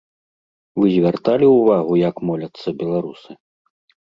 Вы звярталі ўвагу, як моляцца беларусы?